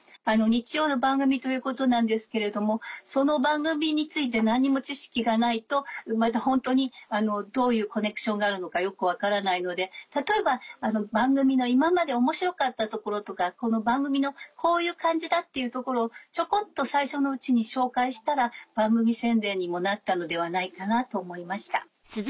日曜の番組ということなんですけれどもその番組について何も知識がないとホントにどういうコネクションがあるのかよく分からないので例えば番組の今まで面白かったところとかこの番組のこういう感じだっていうところをちょこっと最初のうちに紹介したら番組宣伝にもなったのではないかなと思いました。